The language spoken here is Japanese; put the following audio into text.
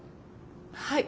はい。